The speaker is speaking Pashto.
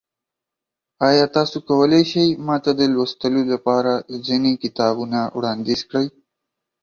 ایا تاسو کولی شئ ما ته د لوستلو لپاره ځینې کتابونه وړاندیز کړئ؟